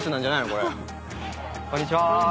こんにちは。